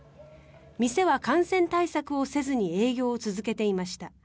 店は感染対策をせずに営業を続けていました。